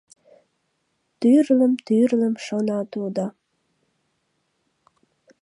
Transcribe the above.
Тӱрлым-тӱрлым шона тудо.